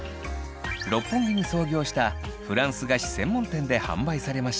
六本木に創業したフランス菓子専門店で販売されました。